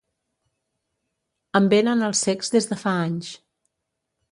En vénen els cecs des de fa anys.